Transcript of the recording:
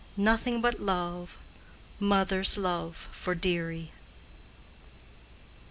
nothing but love, Mother's love for dearie!"